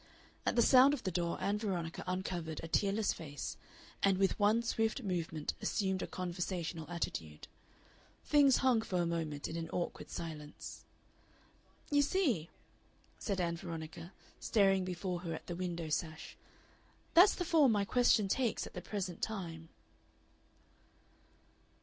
At the sound of the door Ann Veronica uncovered a tearless face, and with one swift movement assumed a conversational attitude. Things hung for a moment in an awkward silence. "You see," said Ann Veronica, staring before her at the window sash, "that's the form my question takes at the present time."